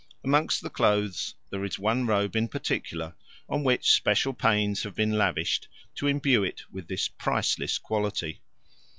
Amongst the clothes there is one robe in particular on which special pains have been lavished to imbue it with this priceless quality.